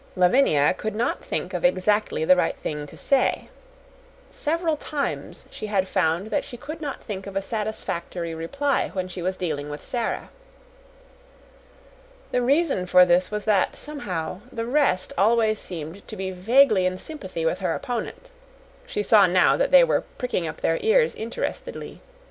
Lavinia could not think of exactly the right thing to say. Several times she had found that she could not think of a satisfactory reply when she was dealing with Sara. The reason for this was that, somehow, the rest always seemed to be vaguely in sympathy with her opponent. She saw now that they were pricking up their ears interestedly.